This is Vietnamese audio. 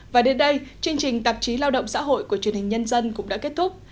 và đến đây chương trình tạp chí lao động xã hội của truyền hình nhân dân cũng đã kết thúc